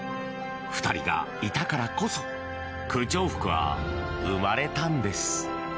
２人がいたからこそ空調服は生まれたのです。